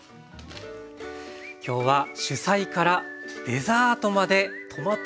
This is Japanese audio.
今日は主菜からデザートまでトマト尽くしでした。